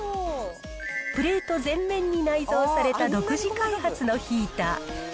プレート全面に内蔵された独自開発のヒーター。